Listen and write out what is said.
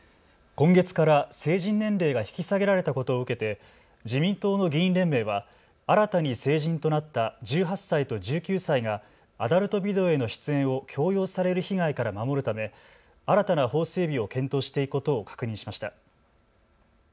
今月から成人年齢が引き下げられたことを受けて自民党の議員連盟は新たに成人となった１８歳と１９歳がアダルトビデオへの出演を強要される被害から守るため新たな法整備を検討していくことを確認しました。